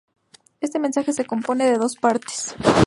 Este mensaje se compone de dos partes.